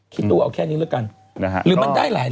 ตู้เอาแค่นี้แล้วกันหรือมันได้หลาย